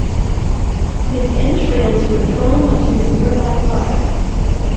His entrails were thrown onto a nearby fire.